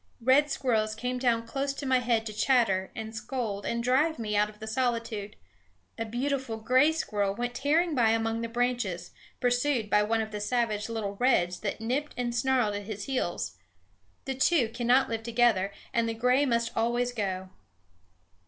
Red squirrels came down close to my head to chatter and scold and drive me out of the solitude. A beautiful gray squirrel went tearing by among the branches, pursued by one of the savage little reds that nipped and snarled at his heels. The two cannot live together, and the gray must always go.